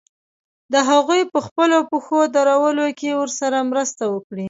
د هغوی په خپلو پښو درولو کې ورسره مرسته وکړي.